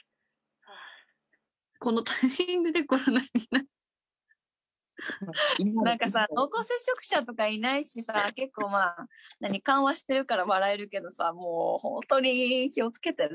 このタイミングでコロナにななんかさ、濃厚接触者とかいないしさ、結構、まあ、緩和してるから笑えるけどさ、本当に気をつけてね。